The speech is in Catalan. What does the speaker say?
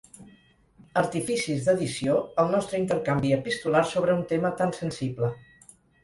Artificis d'addició el nostre intercanvi epistolar sobre un tema tan sensible.